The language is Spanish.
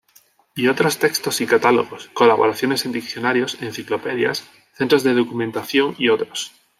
Y otros textos y catálogos, colaboraciones en diccionarios, enciclopedias, centros de documentación y otros.